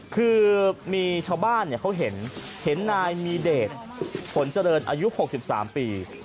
คือมีชาวบ้านเขาเห็นเห็นนายมีเดชผลเจริญอายุ๖๓ปี